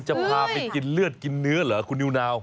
จะพาไปกินเลือดกินเนื้อเหรอคุณนิวนาว